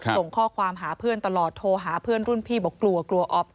ส่งข้อความหาเพื่อนตลอดโทรหาเพื่อนรุ่นพี่บอกกลัวกลัวอ๊อฟ